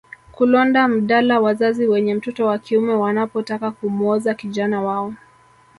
Kulonda mdala wazazi wenye mtoto wa kiume wanapotaka kumwoza kijana wao